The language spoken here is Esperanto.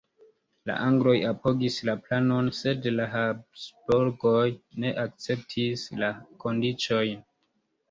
La angloj apogis la planon, sed la Habsburgoj ne akceptis la kondiĉojn.